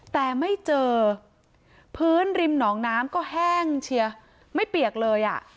แต่ไม่เจอพื้นริมหนองน้ำก็แห้งเชียร์ไม่เปียกเลยอ่ะ